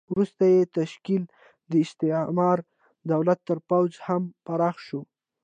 وروسته یې تشکیل د استعماري دولت تر پوځ هم پراخ شو.